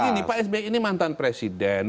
begini pak sby ini mantan presiden